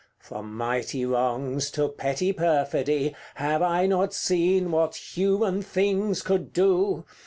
CXXXVI. From mighty wrongs to petty perfidy Have I not seen what human things could do?